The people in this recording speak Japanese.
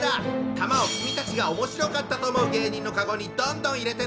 玉を君たちがおもしろかったと思う芸人のカゴにどんどん入れてね！